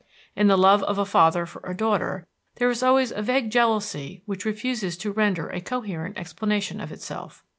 In the love of a father for a daughter there is always a vague jealousy which refuses to render a coherent explanation of itself.